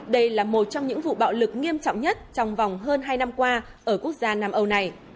đây là một trong những vụ bạo lực nghiêm trọng nhất trong vòng hơn hai năm qua ở quốc gia nam âu này